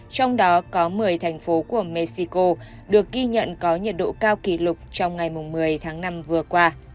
trong đó có một mươi thành phố của mexico được ghi nhận có nhiệt độ cao kỷ lục trong ngày một mươi tháng năm vừa qua